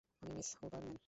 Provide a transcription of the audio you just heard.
আমি Miss Huberman.